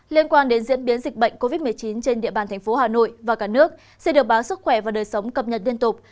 liên quan đến diễn biến dịch bệnh covid một mươi chín trên địa bàn tp hcm và cả nước sẽ được báo sức khỏe và đời sống cập nhật liên tục